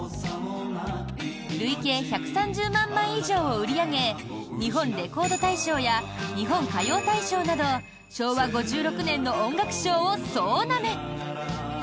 累計１３０万枚以上を売り上げ日本レコード大賞や日本歌謡大賞など昭和５６年の音楽賞を総なめ。